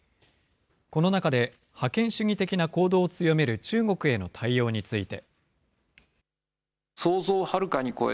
この中で、覇権主義的な行動を強める中国への対応について。